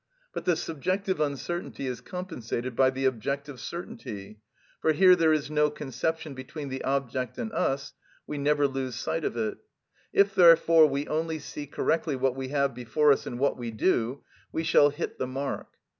But the subjective uncertainty is compensated by the objective certainty, for here there is no conception between the object and us, we never lose sight of it; if therefore we only see correctly what we have before us and what we do, we shall hit the mark.